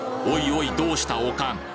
おいおいどうしたオカン